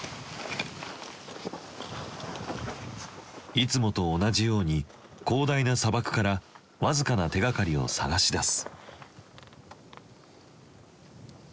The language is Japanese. いつもと同じように広大な砂漠から僅かな手がかりを探し出す。